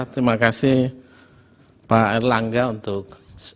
terima kasih pak erlangga untuk